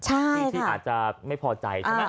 อาจจะไม่พอใจ